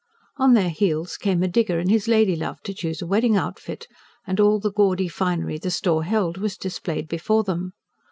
On their heels came a digger and his lady love to choose a wedding outfit; and all the gaudy finery the store held was displayed before them.